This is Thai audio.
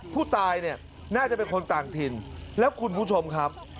ผู้ตายเนี่ยน่าจะเป็นคนต่างถิ่นแล้วคุณผู้ชมครับ